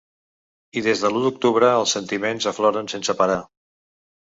I des de l’u d’octubre els sentiments afloren sense parar.